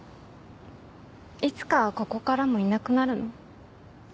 いつかここからもいなくなるの？